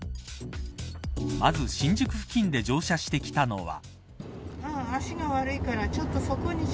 まず、新宿付近で乗車してきたのは。